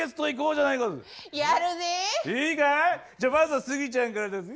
じゃあまずはスギちゃんからだぜ。